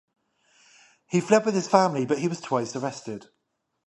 He fled with his family, but he was twice arrested.